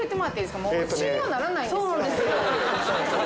そうなんですよ。